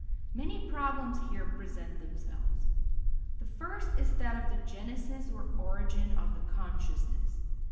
Many problems here present themselves. The first is that of the genesis or origin of the consciousness.